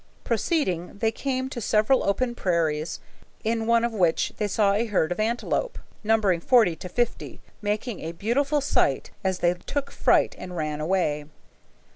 Proceeding they came to several open prairies, in one of which they saw a herd of antelope, numbering forty to fifty, making a beautiful sight as they took fright and ran away.